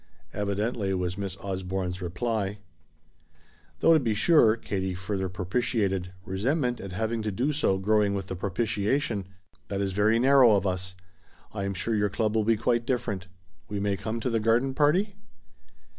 "Evidently," was Miss Osborne's reply. "Though to be sure," Kate further propitiated, resentment at having to do so growing with the propitiation, "that is very narrow of us. I am sure your club will be quite different. We may come to the garden party?"